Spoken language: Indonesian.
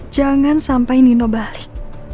jangan sampai nino balik